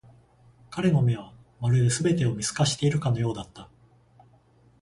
彼の目は、まるで全てを見透かしているかのようだった。